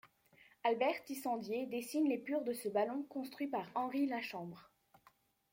Albert Tissandier dessine l'épure de ce ballon construit par Henri Lachambre.